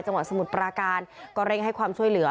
สมุทรปราการก็เร่งให้ความช่วยเหลือ